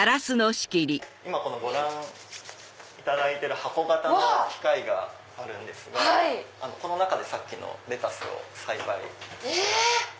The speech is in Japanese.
今ご覧いただいてる箱形の機械があるんですがこの中でさっきのレタスを栽培してます。